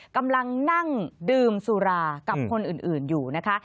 กำลังนั่งดื่มสุรากับคนอื่นอยู่นะคะ